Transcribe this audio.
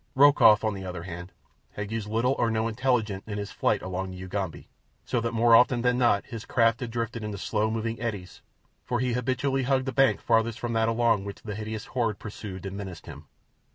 Rokoff, on the other hand, had used little or no intelligence in his flight along the Ugambi, so that more often than not his craft had drifted in the slow going eddies, for he habitually hugged the bank farthest from that along which the hideous horde pursued and menaced him.